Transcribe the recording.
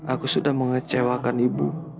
aku sudah mengecewakan ibu